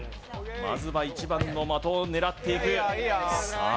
まずは１番の的を狙っていくさあ